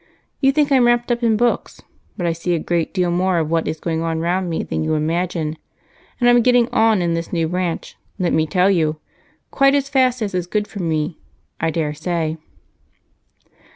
You think I'm wrapped up in books, but I see a great deal more of what is going on around me than you imagine, and I'm getting on in this new branch, let me tell you, quite as fast as is good for me, I daresay."